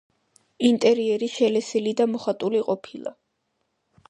ინტერიერი შელესილი და მოხატული ყოფილა.